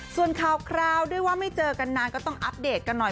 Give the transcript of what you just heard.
ส่วนข่าวด้วยว่าไม่เจอกันนานก็ต้องอัปเดตกันหน่อย